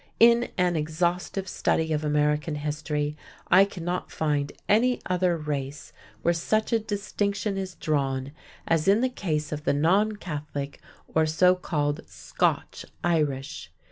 In an exhaustive study of American history, I cannot find any other race where such a distinction is drawn as in the case of the non Catholic, or so called "Scotch," Irish.